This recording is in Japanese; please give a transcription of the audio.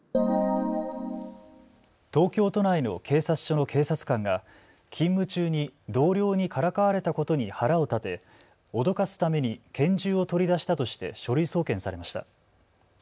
東京都内の警察署の警察官が勤務中に同僚にからかわれたことに腹を立て脅かすために拳銃を取り出したとして書類送検されました。